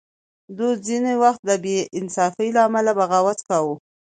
دوی ځینې وخت د بې انصافۍ له امله بغاوت کاوه.